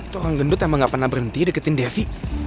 tukang gendut emang gak pernah berhenti deketin devi